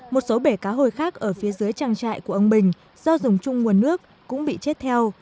một số bể cá hồi khác ở phía dưới trang trại của ông bình do dùng chung nguồn nước cũng bị chết theo